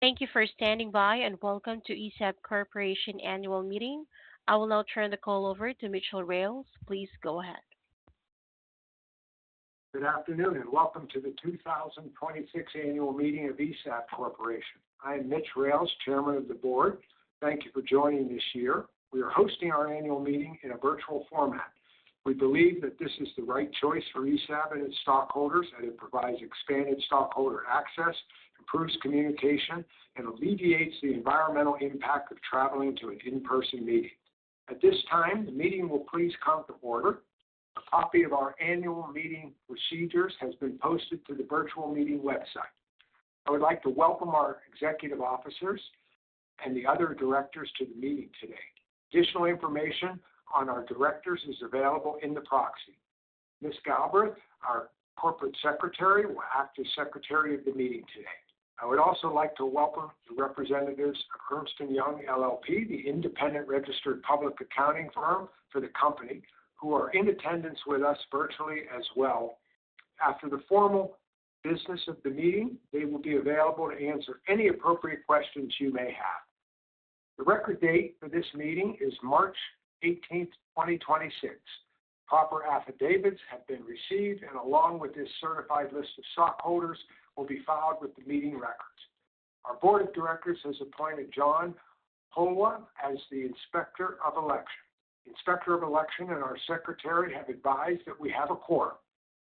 Thank you for standing by, and welcome to ESAB Corporation Annual Meeting. I will now turn the call over to Mitchell Rales. Please go ahead. Good afternoon, and welcome to the 2026 annual meeting of ESAB Corporation. I'm Mitch Rales, Chairman of the Board. Thank you for joining this year. We are hosting our annual meeting in a virtual format. We believe that this is the right choice for ESAB and its stockholders, and it provides expanded stockholder access, improves communication, and alleviates the environmental impact of traveling to an in-person meeting. At this time, the meeting will please come to order. A copy of our annual meeting procedures has been posted to the virtual meeting website. I would like to welcome our executive officers and the other directors to the meeting today. Additional information on our directors is available in the proxy. Ms. Galbraith, our Corporate Secretary, will act as Secretary of the Meeting today. I would also like to welcome the representatives of Ernst & Young LLP, the independent registered public accounting firm for the company, who are in attendance with us virtually as well. After the formal business of the meeting, they will be available to answer any appropriate questions you may have. The record date for this meeting is March 18th, 2026. Along with this certified list of stockholders, proper affidavits have been received and will be filed with the meeting records. Our board of directors has appointed John Poma as the Inspector of Election. Inspector of Election and our secretary have advised that we have a quorum.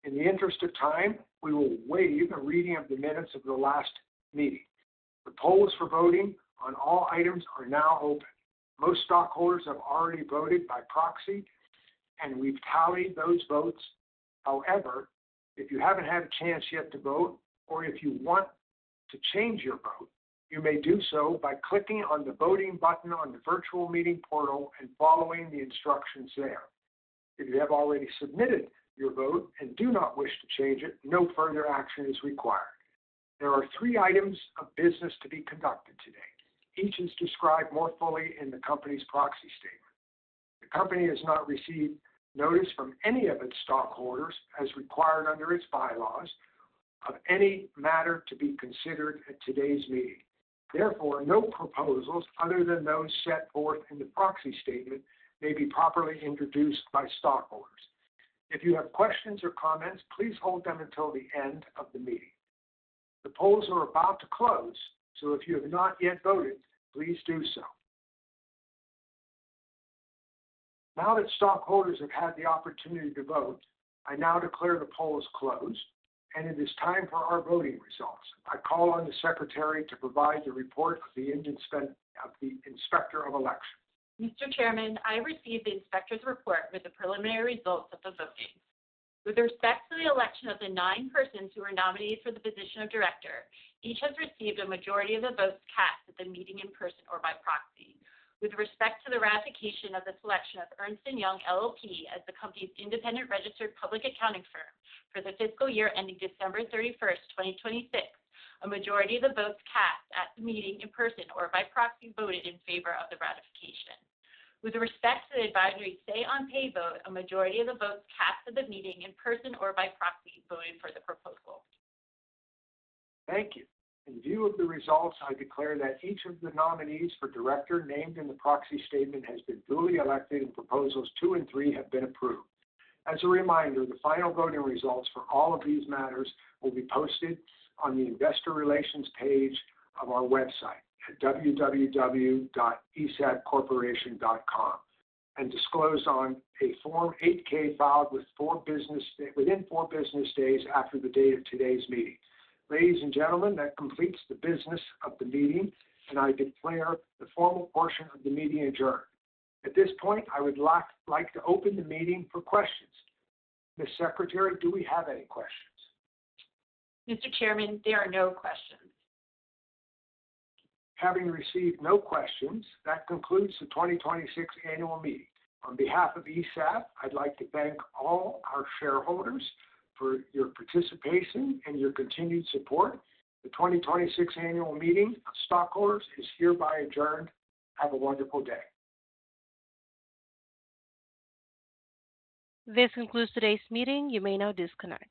In the interest of time, we will waive the reading of the minutes of the last meeting. The polls for voting on all items are now open. Most stockholders have already voted by proxy, and we've tallied those votes. However, if you haven't had a chance yet to vote or if you want to change your vote, you may do so by clicking on the Voting button on the virtual meeting portal and following the instructions there. If you have already submitted your vote and do not wish to change it, no further action is required. There are three items of business to be conducted today. Each is described more fully in the company's proxy statement. The company has not received notice from any of its stockholders, as required under its bylaws, of any matter to be considered at today's meeting. Therefore, no proposals other than those set forth in the proxy statement may be properly introduced by stockholders. If you have questions or comments, please hold them until the end of the meeting. The polls are about to close, so if you have not yet voted, please do so. Now that stockholders have had the opportunity to vote, I now declare the polls closed, and it is time for our voting results. I call on the secretary to provide the report of the Inspector of Election. Mr. Chairman, I received the inspector's report with the preliminary results of the voting. With respect to the election of the 9 persons who are nominated for the position of director, each has received a majority of the votes cast at the meeting in person or by proxy. With respect to the ratification of the selection of Ernst & Young LLP as the company's independent registered public accounting firm for the fiscal year ending December 31, 2026, a majority of the votes cast at the meeting in person or by proxy voted in favor of the ratification. With respect to the advisory say on pay vote, a majority of the votes cast at the meeting in person or by proxy voted for the proposal. Thank you. In view of the results, I declare that each of the nominees for director named in the proxy statement has been duly elected and proposals 2 and 3 have been approved. As a reminder, the final voting results for all of these matters will be posted on the investor relations page of our website at www.esabcorporation.com and disclosed on a Form 8-K filed within 4 business days after the date of today's meeting. Ladies and gentlemen, that completes the business of the meeting, and I declare the formal portion of the meeting adjourned. At this point, I would like to open the meeting for questions. Ms. Secretary, do we have any questions? Mr. Chairman, there are no questions. Having received no questions, that concludes the 2026 annual meeting. On behalf of ESAB, I'd like to thank all our shareholders for your participation and your continued support. The 2026 annual meeting of stockholders is hereby adjourned. Have a wonderful day. This concludes today's meeting. You may now disconnect.